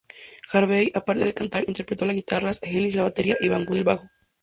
Harvey, aparte de cantar interpretó las guitarras, Ellis la batería y Vaughan el bajo.